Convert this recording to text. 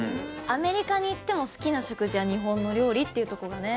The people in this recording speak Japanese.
アメリカに行っても好きな食事は日本の料理っていうとこがね。